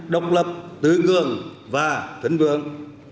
độc lập tự cường và thịnh vượng